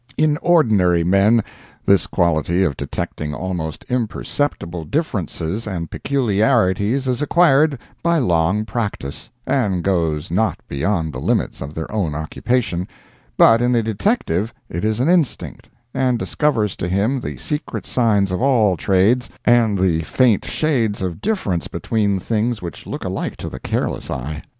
In ordinary men, this quality of detecting almost imperceptible differences and peculiarities is acquired by long practice, and goes not beyond the limits of their own occupation—but in the detective it is an instinct, and discovers to him the secret signs of all trades, and the faint shades of difference between things which look alike to the careless eye.